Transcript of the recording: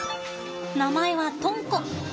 名前はとんこ。